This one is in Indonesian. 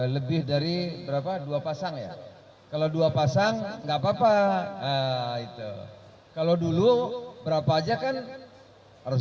lebih dari berapa dua pasang ya kalau dua pasang enggak apa apa itu kalau dulu berapa aja kan harus